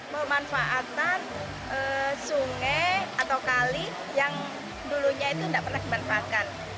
pemanfaatan sungai atau kali yang dulunya itu tidak pernah dimanfaatkan